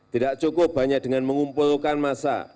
tidak cukup hanya dengan mengumpulkan massa